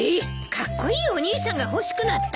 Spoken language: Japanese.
カッコイイお兄さんが欲しくなったの？